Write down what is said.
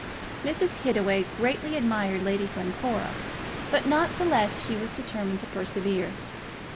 Mrs. Hittaway greatly admired Lady Glencora, but not the less was she determined to persevere.